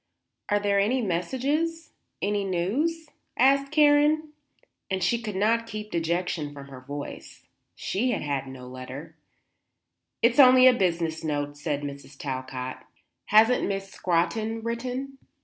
"Are there any messages? any news?" asked Karen, and she could not keep dejection from her voice. She had had no letter. "It's only a business note," said Mrs. Talcott. "Hasn't Miss Scrotton written?"